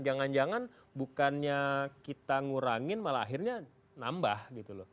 jangan jangan bukannya kita ngurangin malah akhirnya nambah gitu loh